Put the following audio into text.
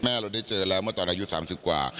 เราได้เจอแล้วเมื่อตอนอายุ๓๐กว่า